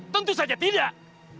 tentu saja tidak